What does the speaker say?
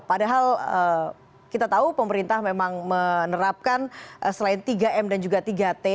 padahal kita tahu pemerintah memang menerapkan selain tiga m dan juga tiga t